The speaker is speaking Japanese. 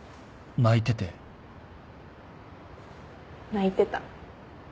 泣いてた。